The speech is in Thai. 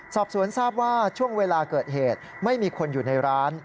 สอบสวนทราบว่าช่วงเวลาเกิดเหตุไม่มีคนอยู่ในร้าน